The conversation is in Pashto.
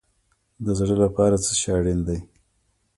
د زړه لپاره څه شی اړین دی؟